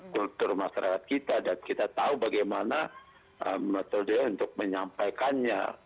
kultur masyarakat kita dan kita tahu bagaimana metode untuk menyampaikannya